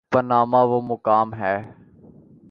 Panama وہ مقام ہے۔